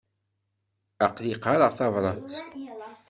Aql-i qqareɣ tabrat.